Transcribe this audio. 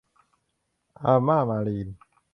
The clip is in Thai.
อาม่า มารีน